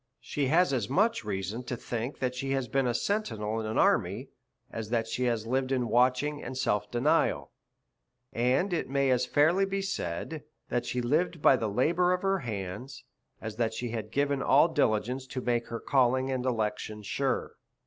She has as much reason to think that she has been a sentinel in an army, as that she has lived in watching and self denial. And it may as fairly be said, that she has lived by the labour of her hands, as that she has given all diligence to make her calling and election sure.